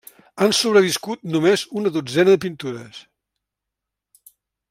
Han sobreviscut només una dotzena de pintures.